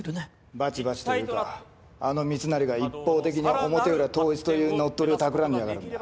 バチバチというかあの密成が一方的に表裏統一という乗っ取りをたくらんでやがるんだ。